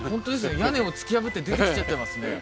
屋根を突き破って出てきちゃってますね